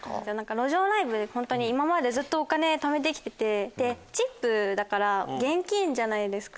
路上ライブで今までずっとお金ためて来てチップだから現金じゃないですか。